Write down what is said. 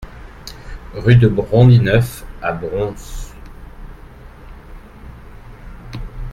Rue de Brondineuf à Broons